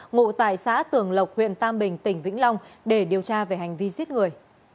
ngụ tại xã tường lộc huyện tam bình tỉnh vĩnh long để điều tra về hành vi giết người